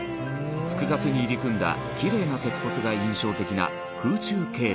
複雑に入り組んだ、キレイな鉄骨が印象的な空中径路